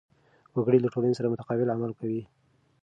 وګړي له ټولنې سره متقابل عمل کوي.